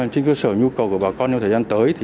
trên cơ sở nhu cầu của bà con trong thời gian tới